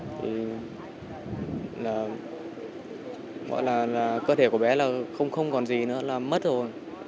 thì gọi là cơ thể của bé là không còn gì nữa là mất rồi